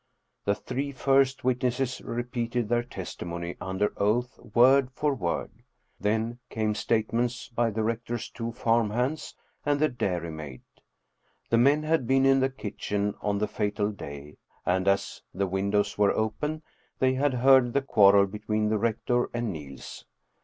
The three first witnesses repeated their testimony under oath, word for word. Then came statements by the rector's two farm hands and the dairy maid. The men had been in the kitchen on the fatal day, and as the windows were open they had heard the quarrel between the rector and Niels.